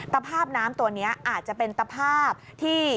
ภาพน้ำตัวนี้อาจจะเป็นตภาพที่